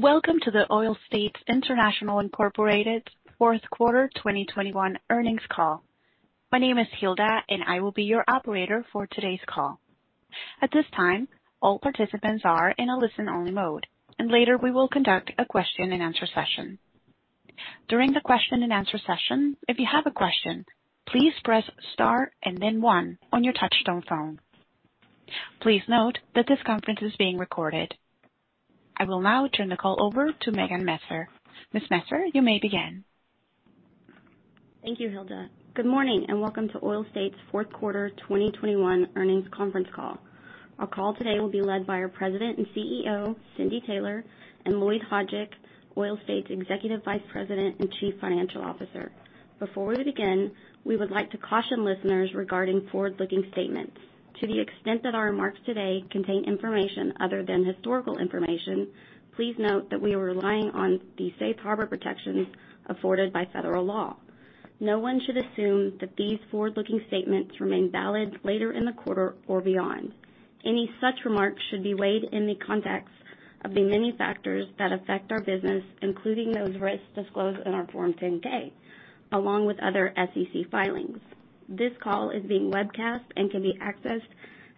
Welcome to the Oil States International Incorporated, fourth quarter 2021 earnings call. My name is Hilda, and I will be your operator for today's call. At this time, all participants are in a listen-only mode, and later we will conduct a question-and-answer session. During the question-and-answer session, if you have a question, please press star and then one on your touchtone phone. Please note that this conference is being recorded. I will now turn the call over to Megan Messer. Ms. Messer, you may begin. Thank you, Hilda. Good morning, and welcome to Oil States fourth quarter 2021 earnings conference call. Our call today will be led by our President and CEO, Cindy Taylor, and Lloyd Hajdik, Oil States' Executive Vice President and Chief Financial Officer. Before we begin, we would like to caution listeners regarding forward-looking statements. To the extent that our remarks today contain information other than historical information, please note that we are relying on the safe harbor protections afforded by federal law. No one should assume that these forward-looking statements remain valid later in the quarter or beyond. Any such remarks should be weighed in the context of the many factors that affect our business, including those risks disclosed in our Form 10-K, along with other SEC filings. This call is being webcast and can be accessed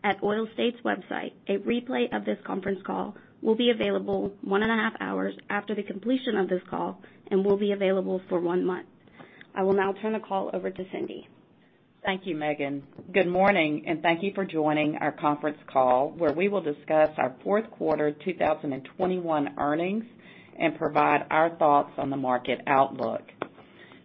at Oil States' website. A replay of this conference call will be available one and a half hours after the completion of this call and will be available for one month. I will now turn the call over to Cindy. Thank you, Megan. Good morning, and thank you for joining our conference call, where we will discuss our fourth quarter 2021 earnings and provide our thoughts on the market outlook.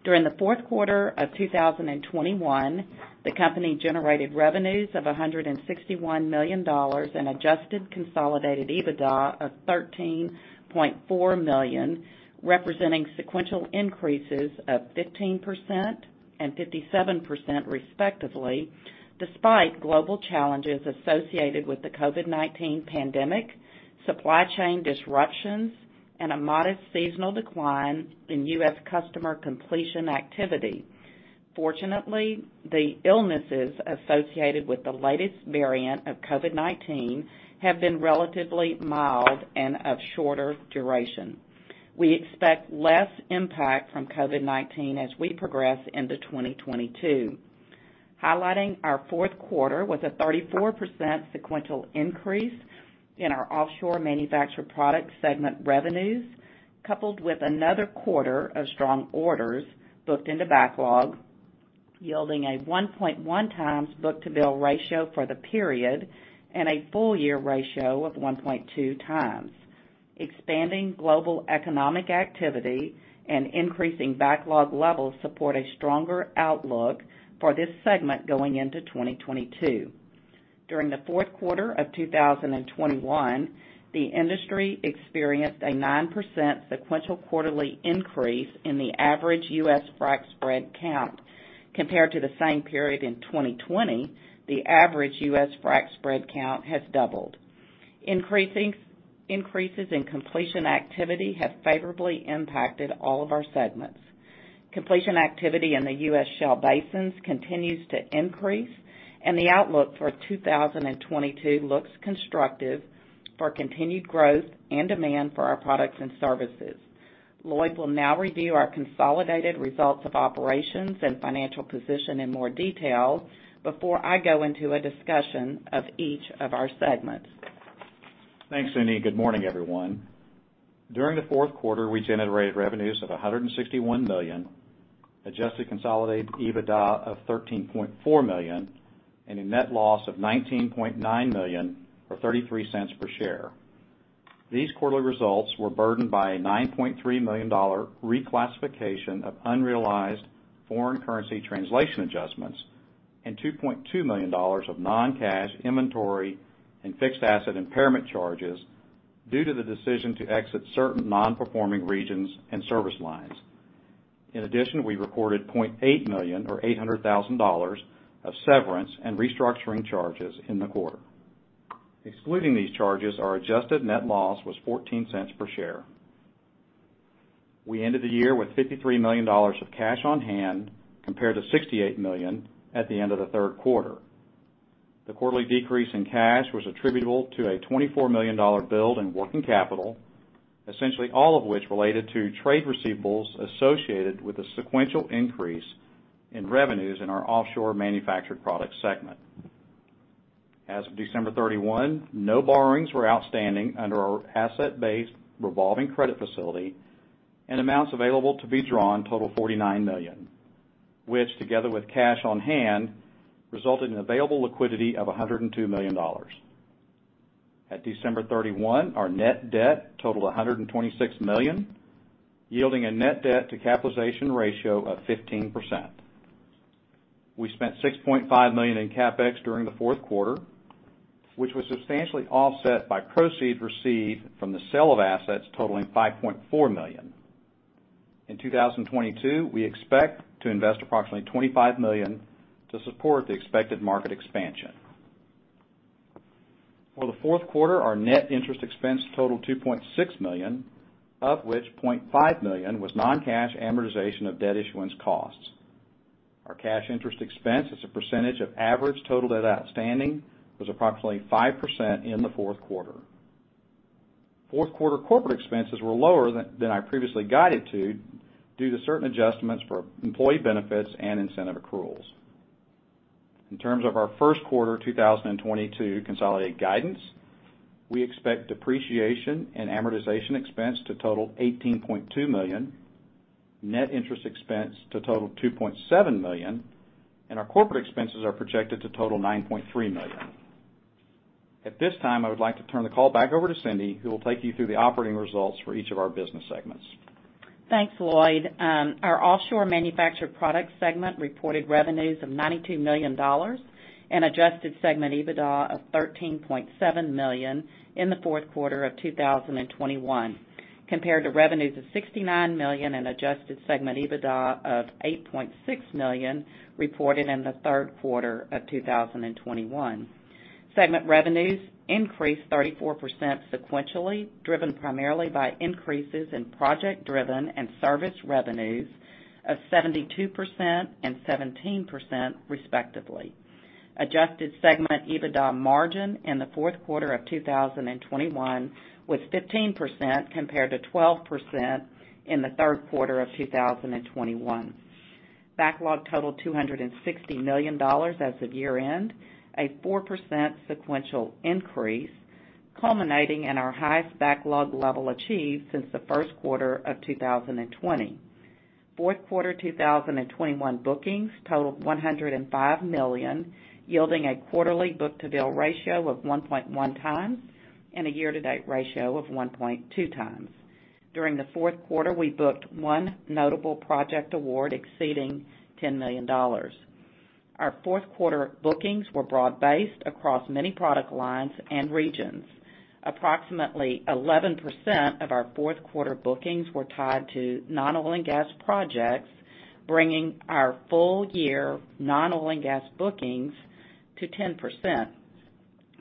During the fourth quarter of 2021, the company generated revenues of $161 million and adjusted consolidated EBITDA of $13.4 million, representing sequential increases of 15% and 57% respectively, despite global challenges associated with the COVID-19 pandemic, supply chain disruptions, and a modest seasonal decline in U.S. customer completion activity. Fortunately, the illnesses associated with the latest variant of COVID-19 have been relatively mild and of shorter duration. We expect less impact from COVID-19 as we progress into 2022. Highlighting our fourth quarter was a 34% sequential increase in our Offshore/Manufactured Products segment revenues, coupled with another quarter of strong orders booked into backlog, yielding a 1.1x book-to-bill ratio for the period and a full year ratio of 1.2x. Expanding global economic activity and increasing backlog levels support a stronger outlook for this segment going into 2022. During the fourth quarter of 2021, the industry experienced a 9% sequential quarterly increase in the average U.S. frac spread count. Compared to the same period in 2020, the average U.S. frac spread count has doubled. Increases in completion activity have favorably impacted all of our segments. Completion activity in the U.S. shale basins continues to increase, and the outlook for 2022 looks constructive for continued growth and demand for our products and services. Lloyd will now review our consolidated results of operations and financial position in more detail before I go into a discussion of each of our segments. Thanks, Cindy. Good morning, everyone. During the fourth quarter, we generated revenues of $161 million, adjusted consolidated EBITDA of $13.4 million, and a net loss of $19.9 million or 33 cents per share. These quarterly results were burdened by a $9.3 million reclassification of unrealized foreign currency translation adjustments and $2.2 million of non-cash inventory and fixed asset impairment charges due to the decision to exit certain non-performing regions and service lines. In addition, we recorded $0.8 million or $800,000 of severance and restructuring charges in the quarter. Excluding these charges, our adjusted net loss was 14 cents per share. We ended the year with $53 million of cash on hand compared to $68 million at the end of the third quarter. The quarterly decrease in cash was attributable to a $24 million build in working capital, essentially all of which related to trade receivables associated with a sequential increase in revenues in our Offshore Manufactured Products segment. As of December 31, no borrowings were outstanding under our asset-based revolving credit facility, and amounts available to be drawn total $49 million, which together with cash on hand, resulted in available liquidity of $102 million. At December 31, our net debt totaled $126 million, yielding a net debt to capitalization ratio of 15%. We spent $6.5 million in CapEx during the fourth quarter, which was substantially offset by proceeds received from the sale of assets totaling $5.4 million. In 2022, we expect to invest approximately $25 million to support the expected market expansion. For the fourth quarter, our net interest expense totaled $2.6 million, of which $0.5 million was non-cash amortization of debt issuance costs. Our cash interest expense as a percentage of average total debt outstanding was approximately 5% in the fourth quarter. Fourth quarter corporate expenses were lower than I previously guided to due to certain adjustments for employee benefits and incentive accruals. In terms of our first quarter 2022 consolidated guidance, we expect depreciation and amortization expense to total $18.2 million, net interest expense to total $2.7 million, and our corporate expenses are projected to total $9.3 million. At this time, I would like to turn the call back over to Cindy, who will take you through the operating results for each of our business segments. Thanks, Lloyd. Our Offshore Manufactured Products segment reported revenues of $92 million and adjusted segment EBITDA of $13.7 million in the fourth quarter of 2021, compared to revenues of $69 million and adjusted segment EBITDA of $8.6 million reported in the third quarter of 2021. Segment revenues increased 34% sequentially, driven primarily by increases in project-driven and service revenues of 72% and 17% respectively. Adjusted segment EBITDA margin in the fourth quarter of 2021 was 15% compared to 12% in the third quarter of 2021. Backlog totaled $260 million as of year-end, a 4% sequential increase, culminating in our highest backlog level achieved since the first quarter of 2020. Fourth quarter 2021 bookings totaled $105 million, yielding a quarterly book-to-bill ratio of 1.1x and a year-to-date ratio of 1.2x. During the fourth quarter, we booked one notable project award exceeding $10 million. Our fourth quarter bookings were broad-based across many product lines and regions. Approximately 11% of our fourth quarter bookings were tied to non-oil and gas projects, bringing our full year non-oil and gas bookings to 10%.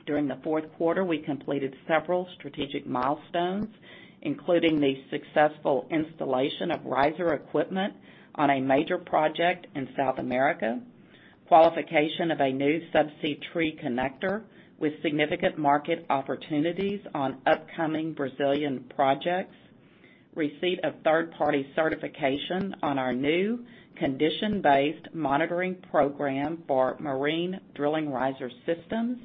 During the fourth quarter, we completed several strategic milestones, including the successful installation of riser equipment on a major project in South America, qualification of a new subsea tree connector with significant market opportunities on upcoming Brazilian projects, receipt of third-party certification on our new condition-based monitoring program for marine drilling riser systems,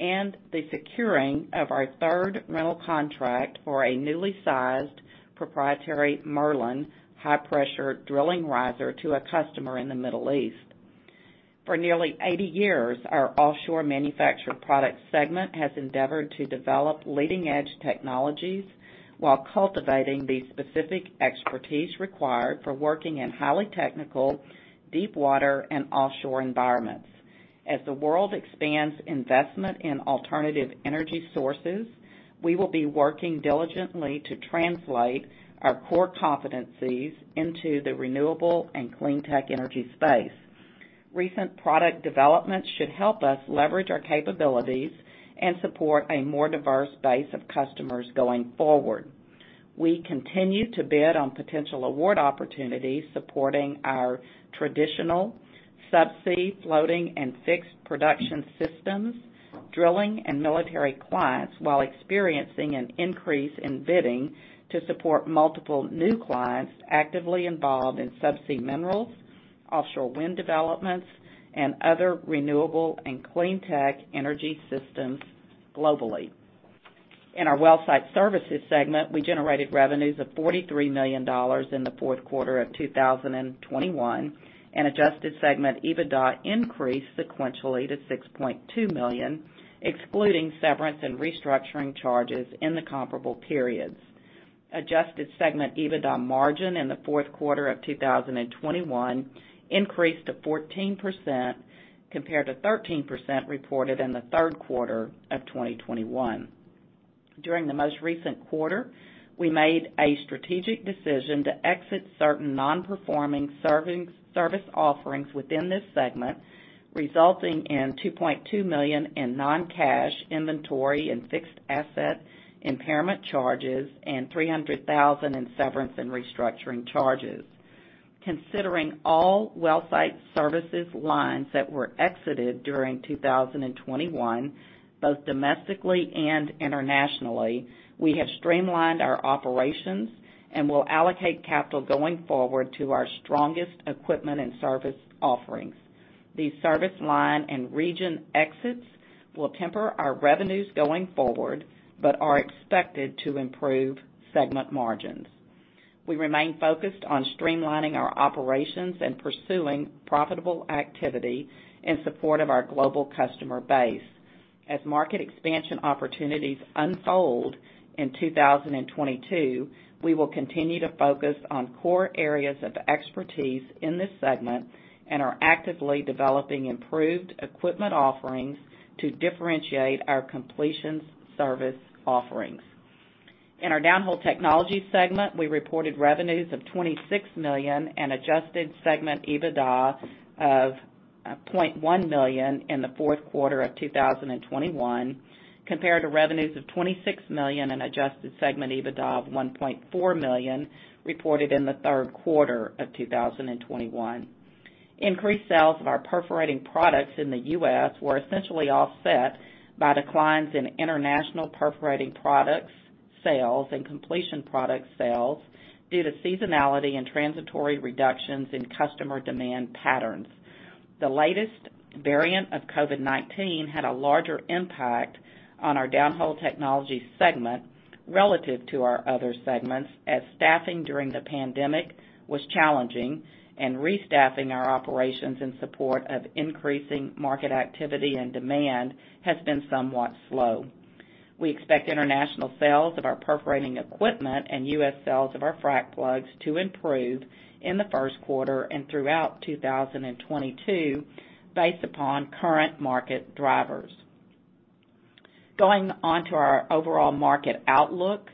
and the securing of our third rental contract for a newly sized proprietary Merlin high-pressure drilling riser to a customer in the Middle East. For nearly 80 years, our Offshore Manufactured Products segment has endeavored to develop leading-edge technologies while cultivating the specific expertise required for working in highly technical deepwater and offshore environments. As the world expands investment in alternative energy sources, we will be working diligently to translate our core competencies into the renewable and clean tech energy space. Recent product developments should help us leverage our capabilities and support a more diverse base of customers going forward. We continue to bid on potential award opportunities supporting our traditional subsea floating and fixed production systems, drilling and military clients while experiencing an increase in bidding to support multiple new clients actively involved in subsea minerals, offshore wind developments, and other renewable and clean tech energy systems globally. In our Well Site Services segment, we generated revenues of $43 million in the fourth quarter of 2021, and adjusted segment EBITDA increased sequentially to $6.2 million, excluding severance and restructuring charges in the comparable periods. Adjusted segment EBITDA margin in the fourth quarter of 2021 increased to 14% compared to 13% reported in the third quarter of 2021. During the most recent quarter, we made a strategic decision to exit certain non-performing service offerings within this segment, resulting in $2.2 million in non-cash inventory and fixed asset impairment charges and $300 thousand in severance and restructuring charges. Considering all Well Site Services lines that were exited during 2021, both domestically and internationally, we have streamlined our operations and will allocate capital going forward to our strongest equipment and service offerings. These service line and region exits will temper our revenues going forward, but are expected to improve segment margins. We remain focused on streamlining our operations and pursuing profitable activity in support of our global customer base. As market expansion opportunities unfold in 2022, we will continue to focus on core areas of expertise in this segment and are actively developing improved equipment offerings to differentiate our completions service offerings. In our Downhole Technologies segment, we reported revenues of $26 million and adjusted segment EBITDA of $0.1 million in the fourth quarter of 2021, compared to revenues of $26 million and adjusted segment EBITDA of $1.4 million reported in the third quarter of 2021. Increased sales of our perforating products in the U.S. were essentially offset by declines in international perforating products sales and completion product sales due to seasonality and transitory reductions in customer demand patterns. The latest variant of COVID-19 had a larger impact on our Downhole Technologies segment relative to our other segments, as staffing during the pandemic was challenging, and restaffing our operations in support of increasing market activity and demand has been somewhat slow. We expect international sales of our perforating equipment and U.S. sales of our frac plugs to improve in the first quarter and throughout 2022 based upon current market drivers. Going on to our overall market outlook.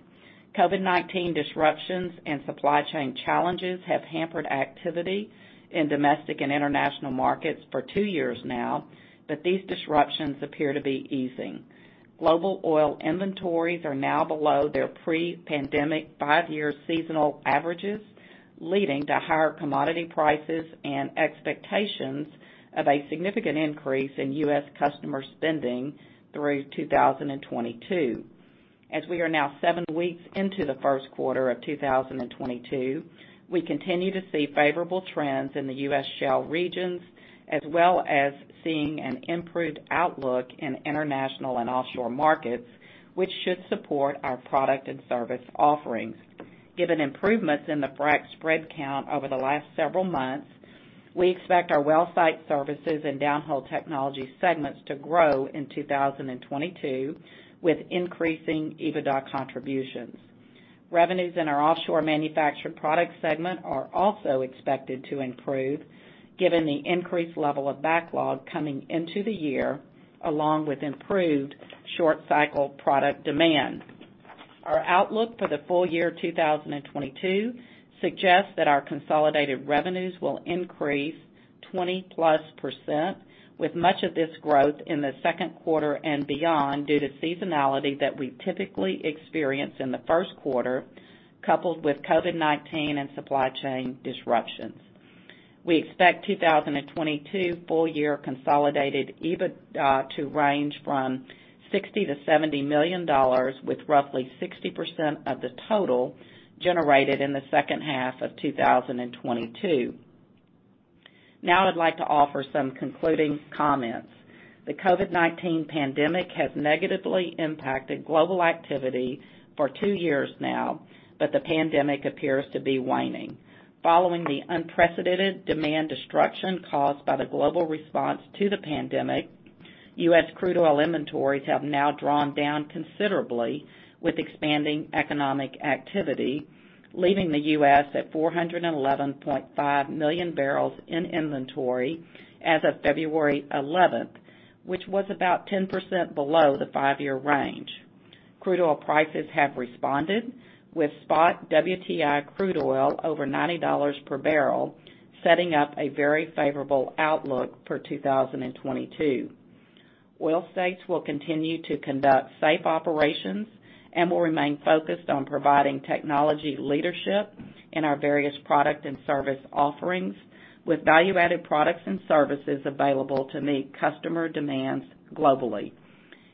COVID-19 disruptions and supply chain challenges have hampered activity in domestic and international markets for two years now, but these disruptions appear to be easing. Global oil inventories are now below their pre-pandemic five-year seasonal averages, leading to higher commodity prices and expectations of a significant increase in U.S. customer spending through 2022. As we are now seven weeks into the first quarter of 2022, we continue to see favorable trends in the U.S. shale regions, as well as seeing an improved outlook in international and offshore markets, which should support our product and service offerings. Given improvements in the frac spread count over the last several months, we expect our Well Site Services and Downhole Technologies segments to grow in 2022, with increasing EBITDA contributions. Revenues in our Offshore/Manufactured Products segment are also expected to improve given the increased level of backlog coming into the year, along with improved short cycle product demand. Our outlook for the full year 2022 suggests that our consolidated revenues will increase 20+%, with much of this growth in the second quarter and beyond due to seasonality that we typically experience in the first quarter, coupled with COVID-19 and supply chain disruptions. We expect 2022 full year consolidated EBITDA to range from $60 million-$70 million, with roughly 60% of the total generated in the second half of 2022. Now I'd like to offer some concluding comments. The COVID-19 pandemic has negatively impacted global activity for two years now, but the pandemic appears to be waning. Following the unprecedented demand destruction caused by the global response to the pandemic, U.S. crude oil inventories have now drawn down considerably with expanding economic activity, leaving the U.S. at 411.5 million barrels in inventory as of February 11th, which was about 10% below the five-year range. Crude oil prices have responded, with spot WTI crude oil over $90 per barrel, setting up a very favorable outlook for 2022. Oil States will continue to conduct safe operations and will remain focused on providing technology leadership in our various product and service offerings, with value-added products and services available to meet customer demands globally.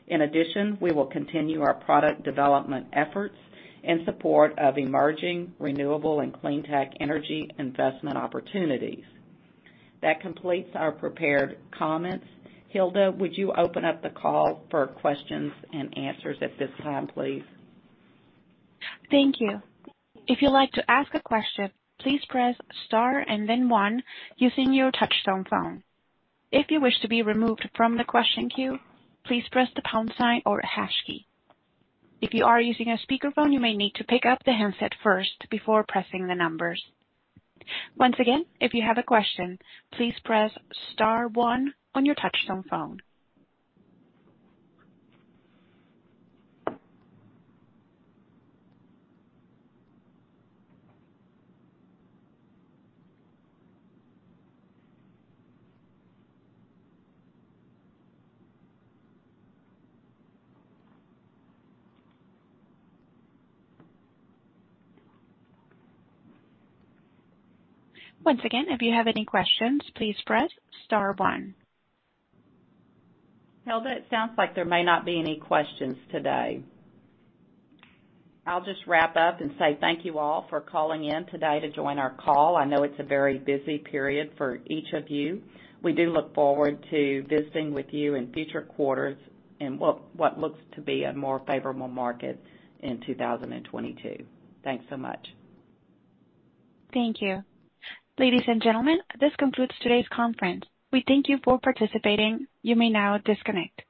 In addition, we will continue our product development efforts in support of emerging renewable and clean tech energy investment opportunities. That completes our prepared comments. Hilda, would you open up the call for questions and answers at this time, please? Thank you. If you'd like to ask a question, please press star and then one using your touchtone phone. If you wish to be removed from the question queue, please press the pound sign or hash key. If you are using a speakerphone, you may need to pick up the handset first before pressing the numbers. Once again, if you have a question, please press star one on your touchtone phone. Once again, if you have any questions, please press star one. Hilda, it sounds like there may not be any questions today. I'll just wrap up and say thank you all for calling in today to join our call. I know it's a very busy period for each of you. We do look forward to visiting with you in future quarters in what looks to be a more favorable market in 2022. Thanks so much. Thank you. Ladies and gentlemen, this concludes today's conference. We thank you for participating. You may now disconnect.